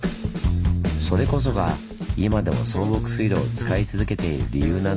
それこそが今でも送木水路を使い続けている理由なんです。